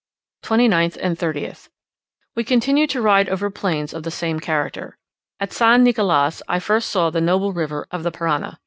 29th and 30th. We continued to ride over plains of the same character. At San Nicolas I first saw the noble river of the Parana.